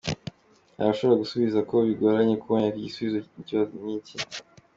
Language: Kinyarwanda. Hari abashobora gusubiza ko bigoranye kubonera igisubizo ikibazo nk’iki.